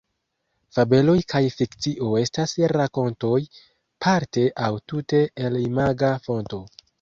Fabeloj kaj fikcio estas rakontoj parte aŭ tute el imaga fonto.